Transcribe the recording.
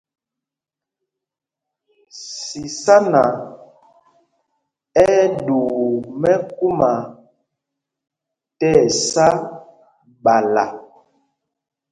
Sisana ɛ́ ɛ́ ɗuu mɛkúma tí ɛsá ɓala.